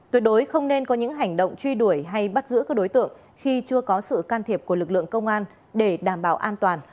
tuyệt đối không nên có những hành động truy đuổi hay bắt giữ các đối tượng khi chưa có sự can thiệp của lực lượng công an để đảm bảo an toàn